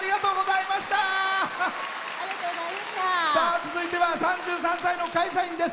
続いては３３歳の会社員です。